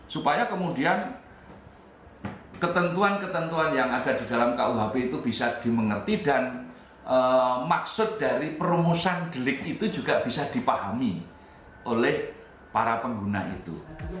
supaya kemudian ketentuan ketentuan yang ada di dalam kuhp itu bisa dimengerti dan maksud dari perumusan delik itu juga bisa dipahami oleh para pengguna itu